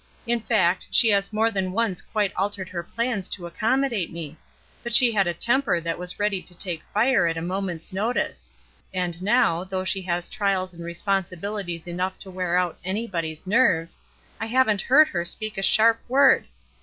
"In fact, she has more than once quite altered her plans to accommo date me; but she had a temper that was ready to take fire at a moment's notice; and now, though she has trials and responsibilities enough to wear out anybody's nerves, I haven't heard her speak a sharp word.